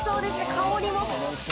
香りも。